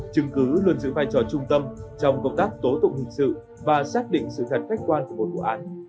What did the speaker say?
chứng cứ luôn giữ vai trò trung tâm trong công tác tố tụng hình sự và xác định sự thật khách quan của một vụ án